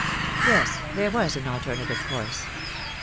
Yes, there was an alternative course.